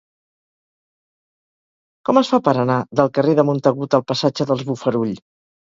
Com es fa per anar del carrer de Montagut al passatge dels Bofarull?